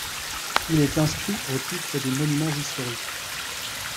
Il est inscrit au titres des monuments historiques.